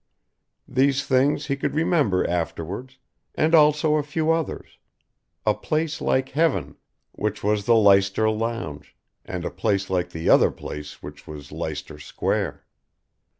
These things he could remember afterwards, and also a few others a place like Heaven which was the Leicester Lounge, and a place like the other place which was Leicester Square.